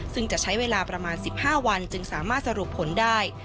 ซึ่งจะใช้เวลาประมาณ๑๕วันจึงสามารถสรุปผลได้